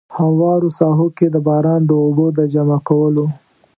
هموارو ساحو کې د باران د اوبو د جمع کولو.